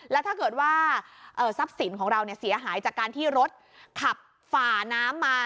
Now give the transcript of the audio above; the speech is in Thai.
แล้วถ้าเกิดว่าทรัพย์สินของเราเสียหายจากการที่รถขับฝ่าน้ำมา